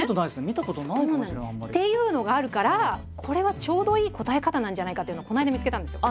っていうのがあるからこれはちょうどいい答え方なんじゃないかっていうのをこの間見つけたんですよ。